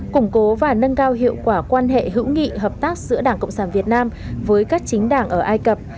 củng cố và nâng cao hiệu quả quan hệ hữu nghị hợp tác giữa đảng cộng sản việt nam với các chính đảng ở ai cập